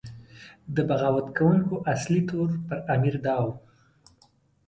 د بغاوت کوونکو اصلي تور پر امیر دا و.